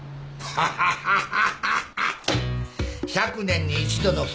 ハハハハ。